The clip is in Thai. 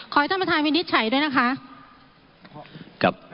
ขอให้ท่านประธานวินิจฉัยด้วยนะคะ